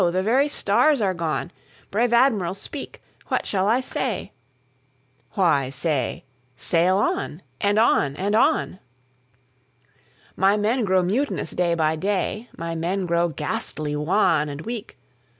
the very stars are gone. Brave Admiral, speak, what shall I say?""Why, say, 'Sail on! sail on! and on!'""My men grow mutinous day by day; My men grow ghastly wan and weak."